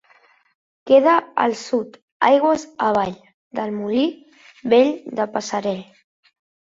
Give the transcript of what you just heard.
Queda al sud, aigües avall, del Molí Vell de Passerell.